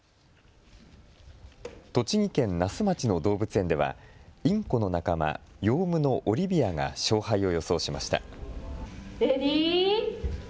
栃木県那須町の動物園ではインコの仲間、ヨウムのオリビアが勝敗を予想しました。